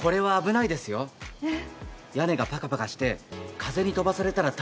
えっ。